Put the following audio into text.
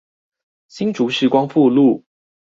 新竹市光復路